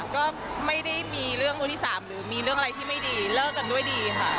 ก็ไม่ได้มีเรื่องมือที่๓หรือมีเรื่องอะไรที่ไม่ดีเลิกกันด้วยดีค่ะ